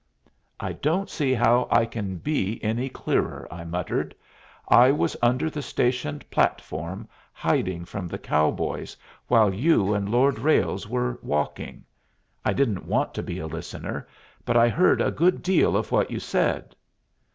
"I don't see how I can be any clearer," I muttered. "I was under the station platform, hiding from the cowboys, while you and Lord Ralles were walking. I didn't want to be a listener, but I heard a good deal of what you said."